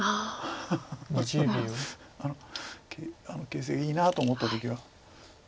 形勢がいいなと思った時は。